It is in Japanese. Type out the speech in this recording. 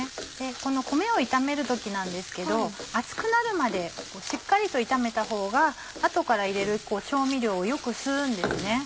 この米を炒める時なんですけど熱くなるまでしっかりと炒めたほうが後から入れる調味料をよく吸うんですね。